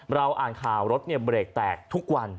เราอ่านข่าวรถเบรกแตกทุกวัน